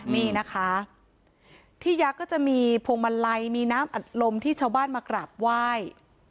นี่นะคะที่ยักษ์ก็จะมีพวงมาลัยมีน้ำอัดลมที่ชาวบ้านมากราบไหว้